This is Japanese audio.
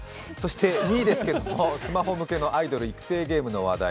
２位ですけども、スマホ向けのアイドル育成ゲームの話題。